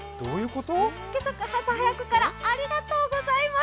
朝早くからありがとうございます。